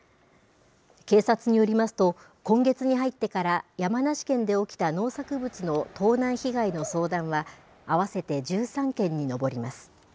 警察によりますと、今月に入ってから、山梨県で起きた農作物の盗難被害の相談は、合わせて１３件に上ります。